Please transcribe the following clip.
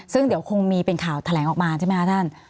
ซึ่งเดี๋ยวคงมีเป็นข่าวแถลงออกมาใช่ไหมคะท่าน